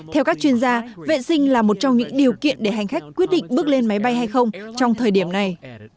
theo các chuyên gia vệ sinh là một trong những điều kiện để hành khách quyết định bước lên máy bay hay không trong thời điểm này